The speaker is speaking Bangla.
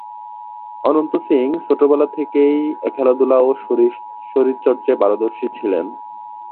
অনন্ত সিং ছোটবেলা থেকেই খেলাধুলা ও শরীরচর্চায় পারদর্শী ছিলেন।